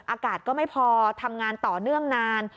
อากาศก็ไม่พอทำงานต่อเนื่องนาน